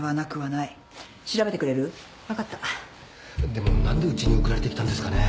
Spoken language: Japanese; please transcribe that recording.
でも何でうちに送られてきたんですかね？